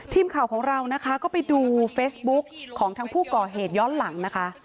ทีมข่าวของเรานะคะก็ไปดูเฟซบุ๊กของทั้งผู้ก่อเหตุย้อนหลังนะคะ